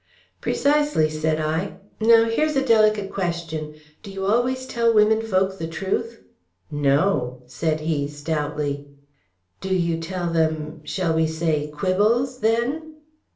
"Precisely," said I. "Now, here's a delicate question. Do you always tell womenfolk the truth?" "No," said he, stoutly. "Do you tell them shall we say quibbles, then?"